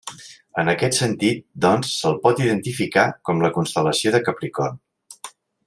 En aquest sentit, doncs, se'l pot identificar com la constel·lació de Capricorn.